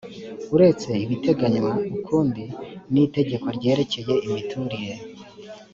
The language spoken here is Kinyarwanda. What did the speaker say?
uretse ibiteganywa ukundi n itegeko ryerekeye imiturire